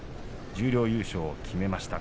十両優勝を決めました。